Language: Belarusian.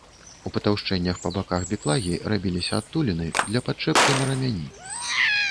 У патаўшчэннях па баках біклагі рабіліся адтуліны для падчэпкі на рамяні.